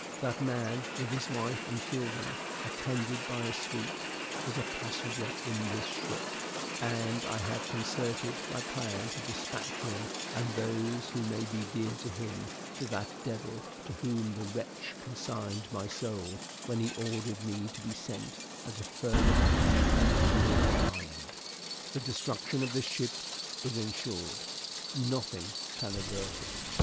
That man, with his wife and children, attended by a suite, is a passenger in this ship, and I have concerted my plan to dispatch him and those who may be dear to him to that Devil to whom the wretch consigned my soul when he ordered me to be sent as a further punishment to Norfolk Island. The destruction of this ship is ensured. Nothing can avert it.